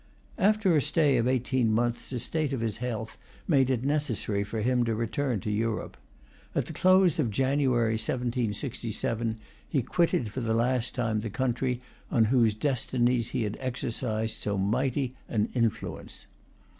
After a stay of eighteen months, the state of his health made it necessary for him to return to Europe. At the close of January 1767, he quitted for the last time the country, on whose destinies he had exercised so mighty an influence.